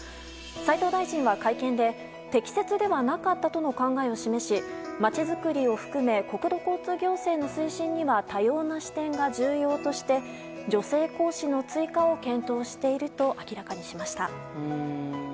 斉藤大臣は会見で適切ではなかったとの考えを示しまちづくりを含め国土交通行政の推進には多様な視点が重要として女性講師の追加を検討していると明らかにしました。